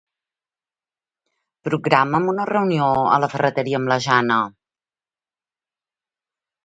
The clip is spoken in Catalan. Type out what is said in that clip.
Programa'm una reunió a la ferreteria amb la Jana.